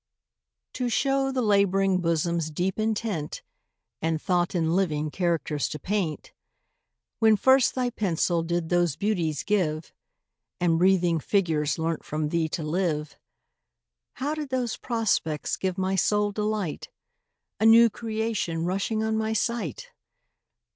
TO show the lab'ring bosom's deep intent, And thought in living characters to paint, When first thy pencil did those beauties give, And breathing figures learnt from thee to live, How did those prospects give my soul delight, A new creation rushing on my sight?